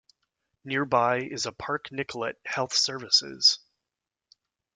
Nearby is a Park Nicollet Health Services.